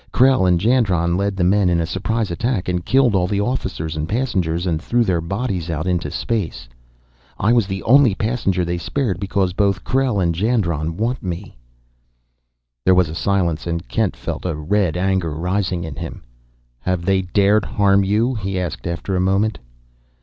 Krell and Jandron led the men in a surprise attack and killed all the officers and passengers, and threw their bodies out into space. I was the only passenger they spared, because both Krell and Jandron want me!" There was a silence, and Kent felt a red anger rising in him. "Have they dared harm you?" he asked after a moment.